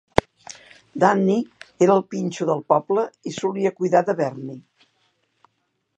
Danny era el pinxo del poble i solia cuidar de Bernie.